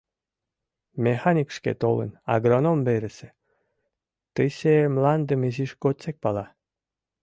Механик шке толын, агроном верысе, тысе мландым изиж годсек пала...